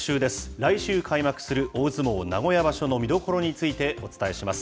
来週開幕する大相撲名古屋場所の見どころについてお伝えします。